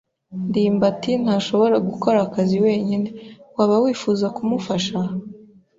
ndimbati ntashobora gukora akazi wenyine. Waba wifuza kumufasha?